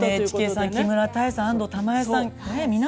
ＮＨＫさん木村多江さん、安藤玉恵さん